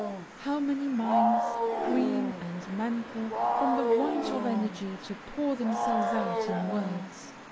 How many minds "cream and mantle" from the want of energy to pour themselves out in words!